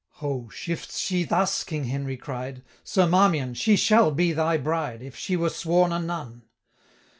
"Ho! shifts she thus?" King Henry cried, "Sir Marmion, she shall be thy bride, 545 If she were sworn a nun."